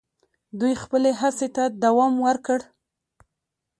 دوی خپلي هڅي ته دوم ورکړ.